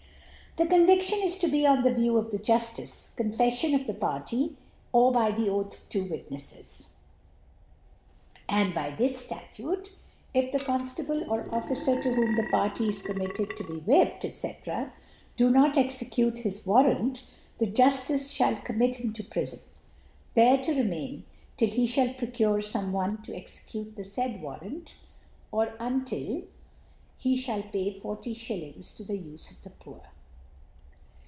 The Conviftioh is to be on the View of the Juftice, Confeffion of the Party, or by the Oath of two Witneflb. And by this Statute, if the Conftable or Officer lo whom the Party is committed to be whipt, ^c. do not execute his Warrant, the Juftice fhall commit him to Prilbn, there to remain till he fhall procure fome one to exe* cute the faid Warrant, or until he (hall pay Forty Shillings to the Ufe of the Poor.